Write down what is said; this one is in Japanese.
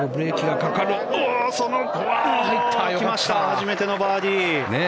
初めてのバーディー。